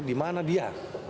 di mana dia